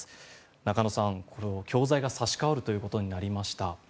中野さん、教材が差し替わるということになりました。